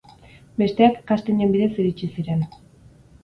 Besteak kastinen bidez iritsi ziren.